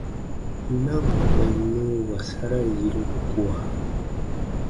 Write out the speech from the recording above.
Na ǹ kpɛ̃ n nun wasara yiru kua.